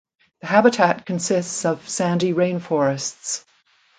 The habitat consists of sandy rainforests.